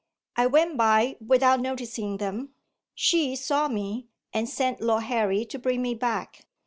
I went by, without noticing them. She saw me, and sent Lord Harry to bring me back.